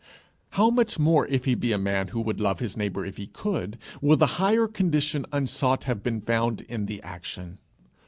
How much more if he be a man who would love his neighbour if he could, will the higher condition unsought have been found in the action!